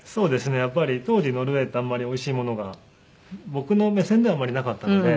やっぱり当時ノルウェーってあんまりおいしいものが僕の目線ではあんまりなかったので。